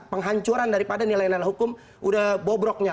penghancuran daripada nilai nilai hukum udah bobroknya